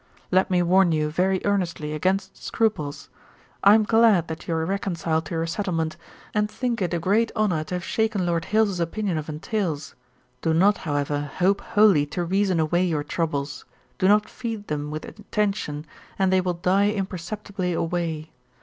'Let me warn you very earnestly against scruples. I am glad that you are reconciled to your settlement, and think it a great honour to have shaken Lord Hailes's opinion of entails. Do not, however, hope wholly to reason away your troubles; do not feed them with attention, and they will die imperceptibly away.